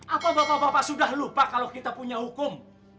apa bapak bapak sudah lupa kalau kita punya hukum